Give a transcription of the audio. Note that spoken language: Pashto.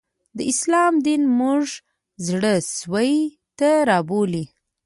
د اسلام دین موږ زړه سوي ته رابولي